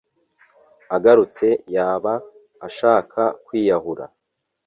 agarutse yaba ashaka kwiyahura”